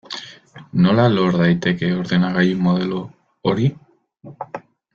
Nola lor daiteke ordenagailu modelo hori?